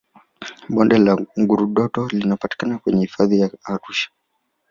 bonde la ngurdoto linapatikana kwenye hifadhi ya arusha